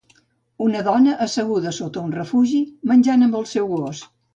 Una dona asseguda sota un refugi, menjant amb el seu gos.